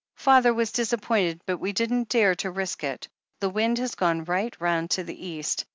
"Father was disappointed, but we didn't dare to risk it — ^the wind has gone right round to the east.